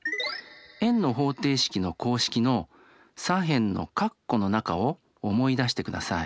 円の方程式の公式の左辺の括弧の中を思い出してください。